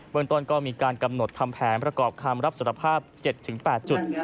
เมืองต้นก็มีการกำหนดทำแผนประกอบคำรับสารภาพ๗๘จุด